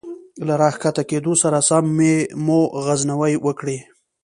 له را ښکته کېدو سره سم مو غځونې وکړې.